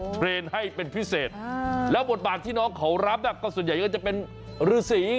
เทรนด์ให้เป็นพิเศษแล้วบทบาทที่น้องเขารับก็ส่วนใหญ่ก็จะเป็นฤษี